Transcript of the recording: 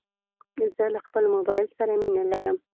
زه له خپل موبایل سره مینه لرم.